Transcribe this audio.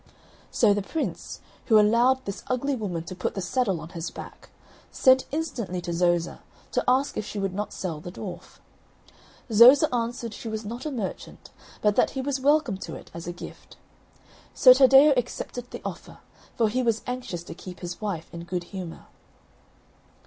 So the Prince, who allowed this ugly woman to put the saddle on his back, sent instantly to Zoza, to ask if she would not sell the dwarf. Zoza answered she was not a merchant, but that he was welcome to it as a gift. So Taddeo accepted the offer, for he was anxious to keep his wife in good humour.